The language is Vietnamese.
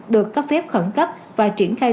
được cấp phép khẩn cấp và triển khai